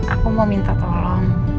aku mau minta tolong